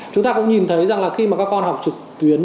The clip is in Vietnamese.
chúng ta cũng nhìn thấy rằng là khi mà các con học trực tuyến